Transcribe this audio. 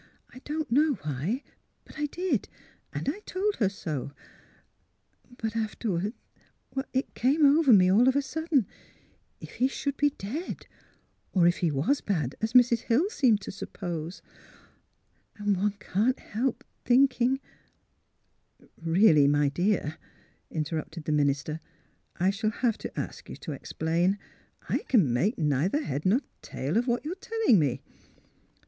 I don't know why; but I did. And I told her so. But afterward — it came over me all of a sudden — if he should be dead ; or if he was bad, as Mrs. Hill seemed to suppose. And one can't help thinking "'' Really, my dear," interrupted the minister, *' I shall have to ask you to explain. I can make neither head nor tail of what you are telling me.